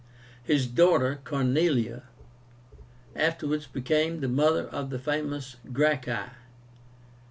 His daughter, CORNELIA, afterwards became the mother of the famous GRACCHI.